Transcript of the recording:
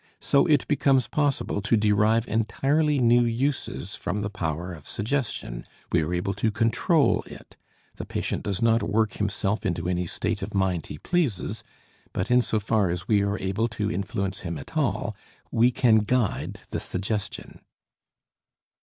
So it becomes possible to derive entirely new uses from the power of suggestion; we are able to control it, the patient does not work himself into any state of mind he pleases, but in so far as we are able to influence him at all, we can guide the suggestion.